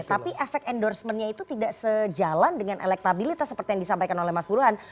tapi efek endorsementnya itu tidak sejalan dengan elektabilitas seperti yang disampaikan oleh mas burhan